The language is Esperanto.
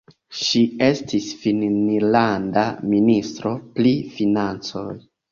Ŝi estis finnlanda ministro pri financoj.